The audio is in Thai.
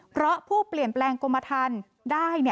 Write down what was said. เพราะผู้เปลี่ยนแปลงกรมฐานได้